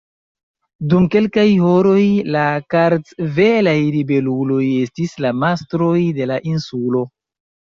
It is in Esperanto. Dum kelkaj horoj, la kartvelaj ribeluloj estis la mastroj de la insulo.